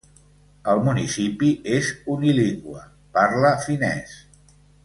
El municipi és unilingüe, parla finès.